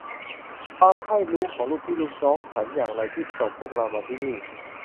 ความใคร่รู้ของลูกพี่ลูกน้องฉันอย่างไรที่ส่งพวกเรามาที่นี่